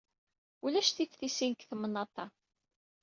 Ulac tiftisin deg temnaḍt-a.